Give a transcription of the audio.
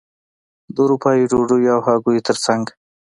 د اروپايي ډوډیو او هګیو ترڅنګ.